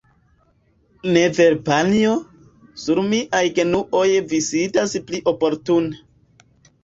Ne vere panjo? Sur miaj genuoj vi sidas pli oportune.